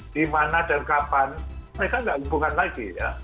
di mana dan kapan mereka nggak hubungan lagi ya